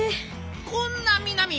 こんな南？